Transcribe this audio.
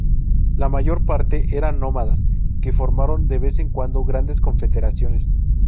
La mayor parte eran nómadas que formaron de vez en cuando grandes confederaciones.